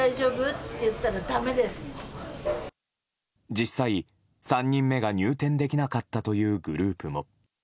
実際、３人目が入店できなかったというグループも。